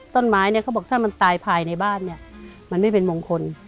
ต้นไม้เนี่ยเขาบอกถ้ามันตายภายในบ้านเนี่ยมันไม่เป็นมงคล